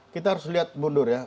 kita harus lihat mundur ya